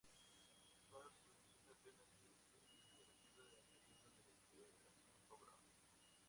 Dada su posición, apenas es visible desde la Tierra en períodos de libración favorable.